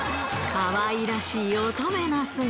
かわいらしい乙女な素顔。